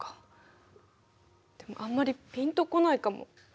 でもあんまりピンと来ないかも。